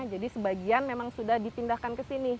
jadi sebagian memang sudah dipindahkan ke sini